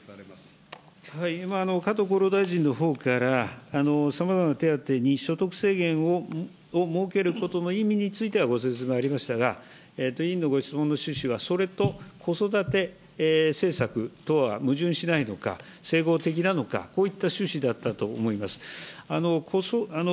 今、加藤厚労大臣のほうから、さまざまな手当に所得制限を設けることの意味についてはご説明がありましたが、委員のご質問の趣旨はそれと子育て政策とは矛盾しないのか、整合的なのか、こういった趣旨だったと思います。